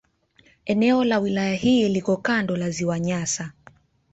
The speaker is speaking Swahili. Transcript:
Eneo la wilaya hii liko kando la Ziwa Nyasa.